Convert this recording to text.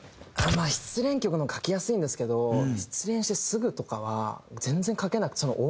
まあ失恋曲の方が書きやすいんですけど失恋してすぐとかは全然書けなくて。